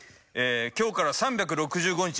今日から３６５日